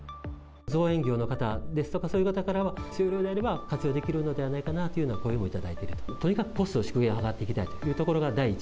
造園業の方ですとか、そういう方からは、少量であれば活用できるのではないかなというような声も頂いて、とにかくコスト縮減を図っていきたいというところが第一。